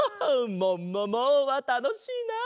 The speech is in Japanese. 「ももも！」はたのしいなあ。